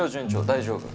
大丈夫！